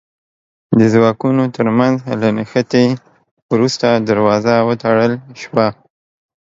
د ځواکونو تر منځ له نښتې وروسته دروازه وتړل شوه.